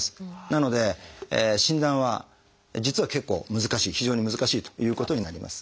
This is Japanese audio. なので診断は実は結構難しい非常に難しいということになります。